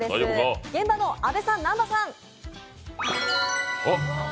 現場の阿部さん、南波さん。